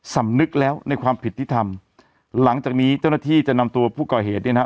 สำนึกแล้วในความผิดที่ทำหลังจากนี้เจ้าหน้าที่จะนำตัวผู้ก่อเหตุเนี่ยนะฮะ